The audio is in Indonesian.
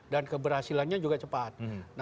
dan keberhasilannya juga cepat